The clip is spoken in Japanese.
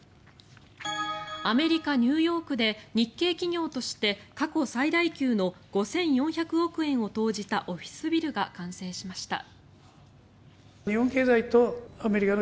アメリカ・ニューヨークで日系企業として過去最大級の５４００億円を投じたオフィスビルが完成しました。